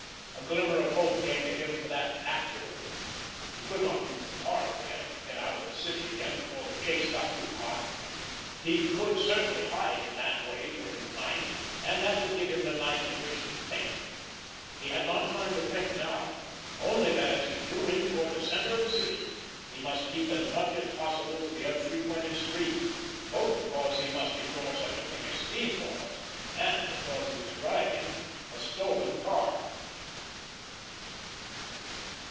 A glimmer of hope came to him for that "afterward." He could use the car again; get out of the city again before the chase got too hot. He could certainly hide in that way during the night, and that would give him the night in which to think. He had not time to think now—only that as he drew in toward the centre of the city he must keep as much as possible to the unfrequented streets, both because he must ignore such a thing as speed laws, and because he was driving a stolen car.